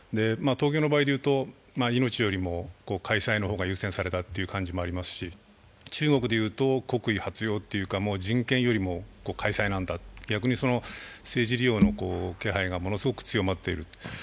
東京の場合で言うと、命よりも開催の方が優先されたという感じもありますし、中国でいうと国威発揚というか人権よりも開催なんだ、逆に政治利用の気配がものすごく強まっている。